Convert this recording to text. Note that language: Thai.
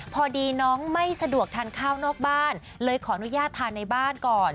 พอดีน้องไม่สะดวกทานข้าวนอกบ้านเลยขออนุญาตทานในบ้านก่อน